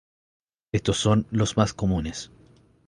Estos son los más comunes.